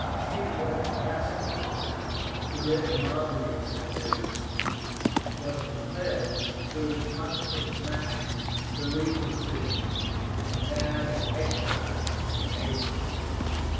SCIPIO NASÍCA, who led the mob against Tiberius, was compelled, though Pontifex Maximus, to leave the city, and died an exile in Asia.